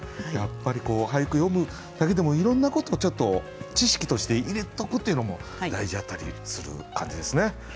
やっぱり俳句詠むだけでもいろんなことをちょっと知識として入れとくっていうのも大事やったりする感じですね。